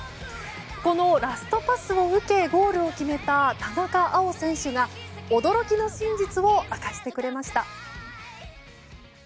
このラストパスを受けゴールを決めた田中碧選手が驚きの真実を明かしてくれました。